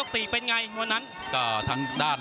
พี่น้องอ่ะพี่น้องอ่ะ